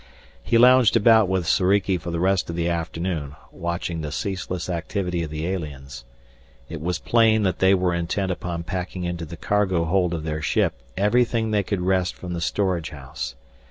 He lounged about with Soriki for the rest of the afternoon, watching the ceaseless activity of the aliens. It was plain that they were intent upon packing into the cargo hold of their ship everything they could wrest from the storage house.